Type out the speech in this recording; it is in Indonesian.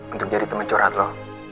untuk jadi temen curhat lu